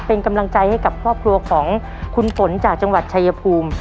เป็นกำลังใจให้กับครอบครัวของคุณฝนจากจังหวัดชายภูมิ